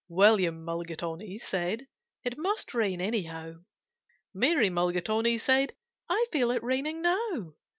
William Mulligatawny said, "It must rain, anyhow." Mary Mulligatawny said, "I feel it raining now."